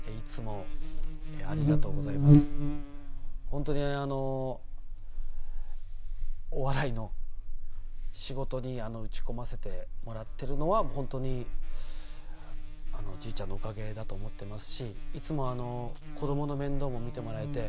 本当にお笑いの仕事に打ち込ませてもらっているのは本当にチーちゃんのおかげだと思ってますしいつも子供の面倒も見てもらえて。